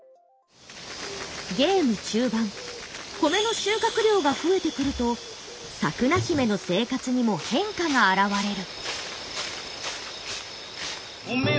ゲーム中盤米の収穫量が増えてくるとサクナヒメの生活にも変化が現れる。